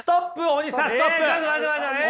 大西さんストップ！